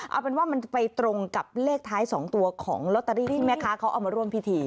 เอาเป็นว่ามันจะไปตรงกับเลขท้าย๒ตัวของลอตเตอรี่ที่แม่ค้าเขาเอามาร่วมพิธี